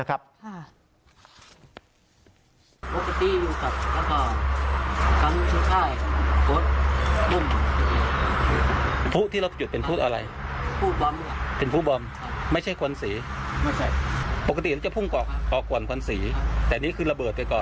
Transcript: คลิปคลิปตลอด